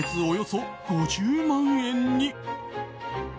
およそ５０万円に。